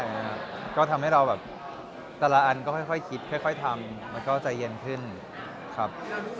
ก็ทำให้เราแบบแต่ละอันก็ค่อยคิดค่อยทำมันก็ใจเย็นขึ้นครับ